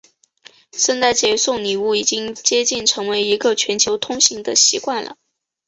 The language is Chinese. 圣诞节送礼物已经接近成为一个全球通行的习惯了。